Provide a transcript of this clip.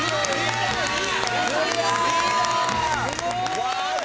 すごい！